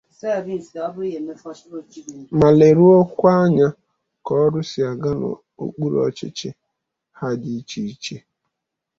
ma leruokwa anya ka ọrụ si aga n'okpuru ọchịchị ha dị iche iche